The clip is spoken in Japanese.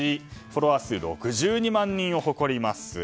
フォロワー数６２万人を誇ります。